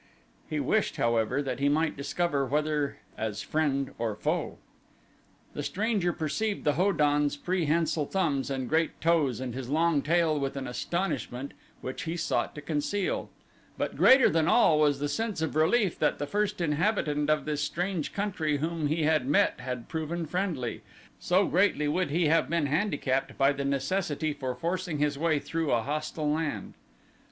He wished, however, that he might discover whether as friend or foe. The stranger perceived the Ho don's prehensile thumbs and great toes and his long tail with an astonishment which he sought to conceal, but greater than all was the sense of relief that the first inhabitant of this strange country whom he had met had proven friendly, so greatly would he have been handicapped by the necessity for forcing his way through a hostile land.